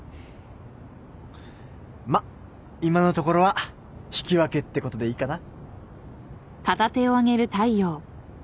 まっ今のところは引き分けってことでいいかな。